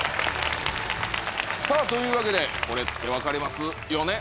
さあというわけでこれって分かりますよね？